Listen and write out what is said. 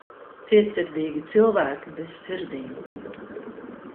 Cietsirdīgi cilvēki bez sirdīm